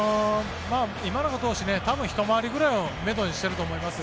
今永投手、ひと回りくらいをめどにしていると思います。